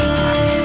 aku akan menang